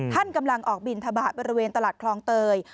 ท่านกำลังออกบินทบาทบริเวณตลาดคลองเตย